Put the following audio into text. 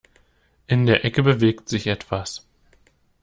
In der Ecke bewegt sich etwas.